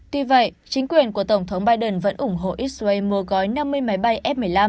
tuy vậy chính quyền của tổng thống biden vẫn ủng hộ israel mua gói năm mươi máy bay f một mươi năm